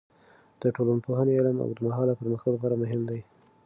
د ټولنپوهنې علم د اوږدمهاله پرمختګ لپاره مهم دی.